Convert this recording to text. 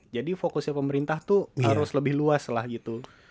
fokusnya pemerintah tuh harus lebih luas lah gitu